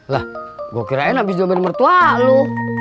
lah gue kirain abis dua milimeter mertua lo